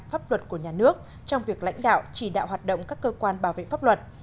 pháp luật của nhà nước trong việc lãnh đạo chỉ đạo hoạt động các cơ quan bảo vệ pháp luật